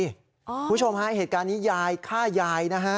คุณผู้ชมฮะเหตุการณ์นี้ยายฆ่ายายนะฮะ